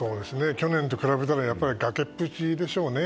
去年と比べたら崖っぷちでしょうね。